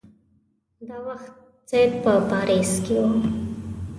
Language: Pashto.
دا وخت سید په پاریس کې وو.